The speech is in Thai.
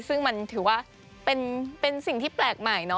ซึ่งมันถือว่าเป็นสิ่งที่แปลกใหม่เนาะ